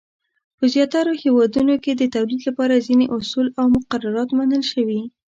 په زیاترو هېوادونو کې د تولید لپاره ځینې اصول او مقررات منل شوي.